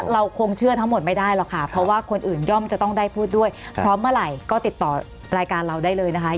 เราคงเชื่อทั้งหมดไม่ได้หรอกค่ะเพราะว่าคนอื่นย่อมจะต้องได้พูดด้วยพร้อมเมื่อไหร่ก็ติดต่อรายการเราได้เลยนะคะ